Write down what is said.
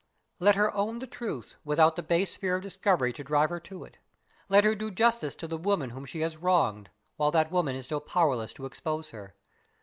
"Let her own the truth, without the base fear of discovery to drive her to it. Let her do justice to the woman whom she has wronged, while that woman is still powerless to expose her.